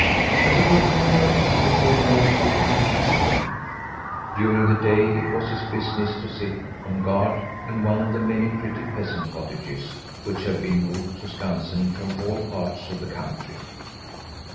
As a performer, he appeared mostly in the evening. During the day it was his business to sit on guard in one of the many pretty peasant cottages which have been moved to Skansen from all parts of the country.